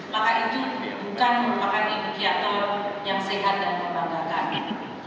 maka itu bukan merupakan imigrator yang sehat dan membanggakan